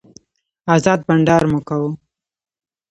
ازاد بانډار مو کاوه.